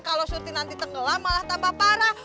kalau surti nanti tenggelam malah tambah parah